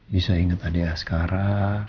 bisa inget adik askara